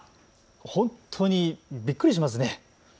本当にびっくりしますね。